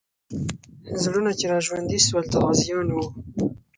زړونه چې راژوندي سول، د غازیانو وو.